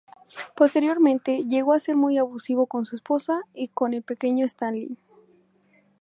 Posteriormente, llegó a ser muy abusivo con su esposa y con el pequeño Stalin.